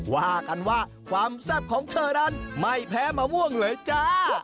ว่ากันว่าความแซ่บของเธอนั้นไม่แพ้มะม่วงเลยจ้า